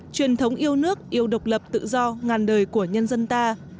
truyền thống yêu nước yêu độc lập tự do ngàn đời của nhân dân ta